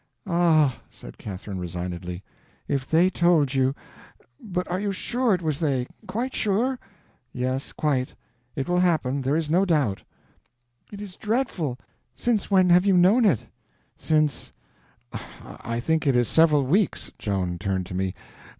"Ah," said Catherine, resignedly, "if they told you—But are you sure it was they?—quite sure?" "Yes, quite. It will happen—there is no doubt." "It is dreadful! Since when have you know it?" "Since—I think it is several weeks." Joan turned to me.